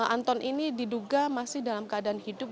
anton ini diduga masih dalam keadaan hidup